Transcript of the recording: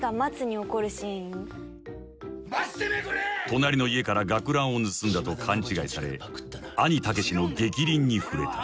［隣の家から学ランを盗んだと勘違いされ兄猛の逆鱗に触れた］